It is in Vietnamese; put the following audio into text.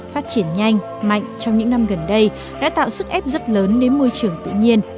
phát triển nhanh mạnh trong những năm gần đây đã tạo sức ép rất lớn đến môi trường tự nhiên